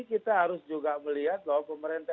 kita harus juga melihat bahwa pemerintah